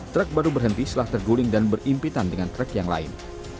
truk baru berhenti setelah terguling dan berimpitan dengan truk yang lain